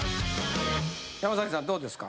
山さんどうですか？